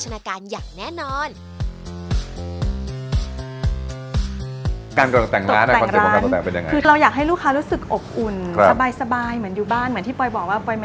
ใช่ค่ะอยากมาทานอะไรก็มาที่แล้วก็ทำให้ดู